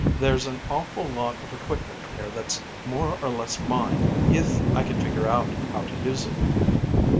There's an awful lot of equipment here that's more or less mine if I can figure out how to use it.